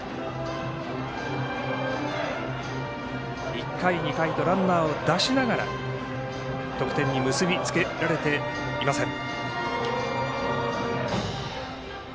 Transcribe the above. １回、２回とランナーを出しながら得点に結び付けられていません。